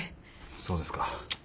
そうですか。